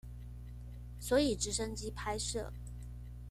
所以直升機拍攝